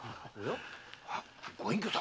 ご隠居様。